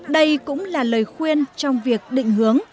đây cũng là lời khuyên trong việc định hướng